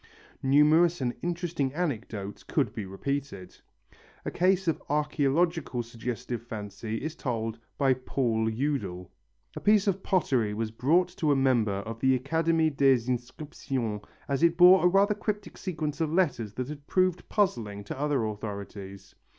Numerous and interesting anecdotes could be repeated. A case of archæological suggestive fancy is told by Paul Eudel. A piece of pottery was brought to a member of the Académie des Inscriptions as it bore a rather cryptic sequence of letters that had proved puzzling to other authorities.